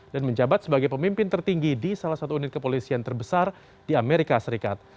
dan menjabat sebagai pemimpin tertinggi di salah satu unit kepolisian terbesar di amerika serikat